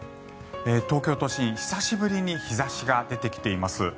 東京都心、久しぶりに日差しが出てきています。